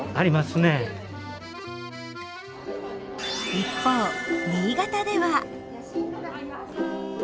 一方新潟では。